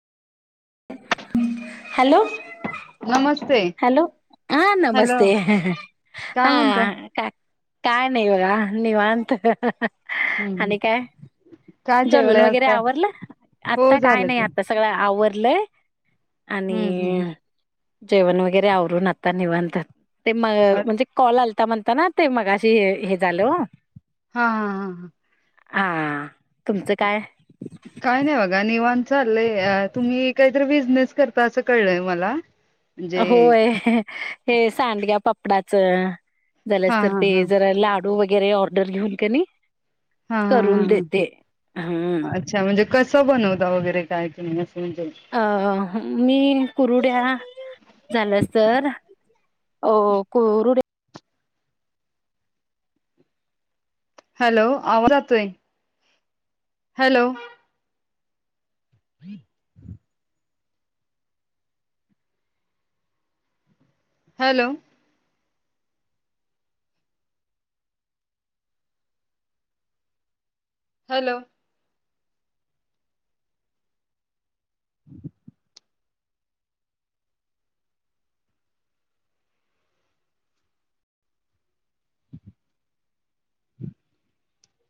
Hello. नमस्क hello, हा नमस्ते, हा काय म्हणताय हा का काय नाही बघा, निवांत. हम्म आणि काय? काय जेवण चाललंय वगैरे आता आवरलं, हो आता काय झालं नाही की आता सगळं आवर लं [inaudible] हम्म. ये रे आवरून आता निवांत ते, म, अ- म्हणजे कॉल आलता म्हण तना ते मगाशी हे झालं हो हा. हा. हा. हा. हा. हा. हा. काय नाही बघा निवांत चाललंय, तुम्ही काहीतरी बिझनेस करता असं कळलंय मला? म्हणजे होय, हे सांडग्या पापड डाच झालच हा तर हा ते हा जरा ला डू वगैरे ऑर्डर घेऊन कनी हा हा हा करून हा. देते, हम अच्छा म्हणजे कसं बनवता वगैरे काय तुम्ही म्हणजे अ, मी कुरुड्या झालंस तर, अ कोरुड्या हॅलो, आवाज जातोय. हॅलो. ह [inaudible] हॅलो. हॅलो. ह [inaudible]